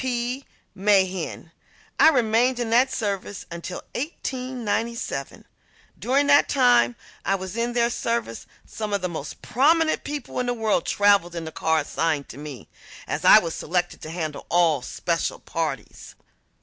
P. Mehen. I remained in their service until 1897. During the time I was in their service some of the most prominent people in the world traveled in the car assigned to me, as I was selected to handle all special parties.